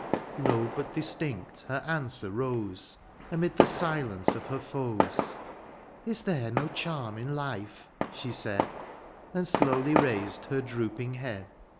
Low, but distinct, her answer rose. Amid the silence of her foes. " Is there^^o charm in life," she said. And slowly raised her drooping head.